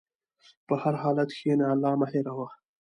په هر حالت کښېنه، الله مه هېروه.